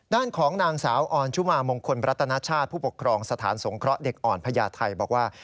ด้านของนางสาวออนชุมามงคลรัตนชาติผู้ปกครองสถานสงเคราะห์เด็กอ่อนพญาไทยบอกว่า